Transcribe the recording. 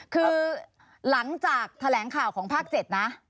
คือหลังจากแถลงข่าวของภาค๗นะ